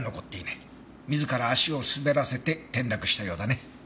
自ら足を滑らせて転落したようだね。